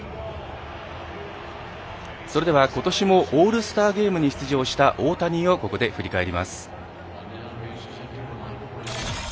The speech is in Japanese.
ことしもオールスターゲームに出場した大谷をここで振り返ります。